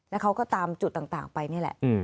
แล้วเขาก็ตามจุดต่างไปนี่แหละ